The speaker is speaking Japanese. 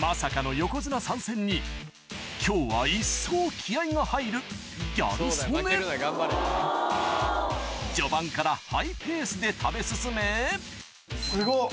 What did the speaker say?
まさかの横綱参戦に今日は一層気合が入るギャル曽根序盤からハイペースで食べ進め・すごっ！